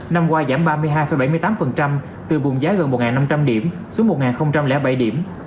năm qua giảm ba mươi hai bảy mươi tám từ vùng giá gần một năm trăm linh điểm xuống một bảy điểm